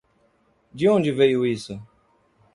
De onde veio isso?